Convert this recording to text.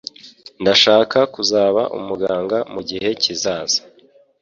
Ndashaka kuzaba umuganga mugihe kizaza.